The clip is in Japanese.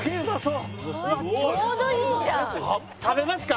「ちょうどいいじゃん」食べますか。